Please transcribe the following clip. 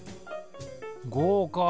豪華。